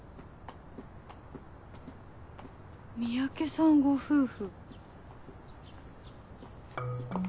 三宅さんご夫婦。